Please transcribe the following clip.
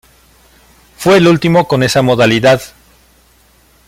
Fue el último con esa modalidad.